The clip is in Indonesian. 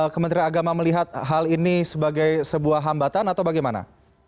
kementerian agama melihat hal ini sebagai sebuah hambatan atau bagaimana